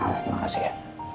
terima kasih ya